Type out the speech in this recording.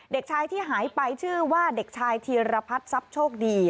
เด็กชายที่หายไปชื่อว่าเด็กชายธีรพัฒน์ทรัพย์โชคดี